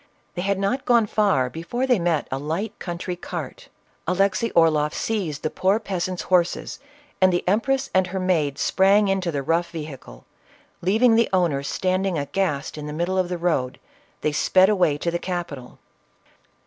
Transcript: They had not gone far before they met a light country cart. Alexey Orloff seized the poor peasant's horses, and the empress and her maid sprang into the rough vehicle ; leaving the owner standing aghast in the midst of the road, they sped away to the capital.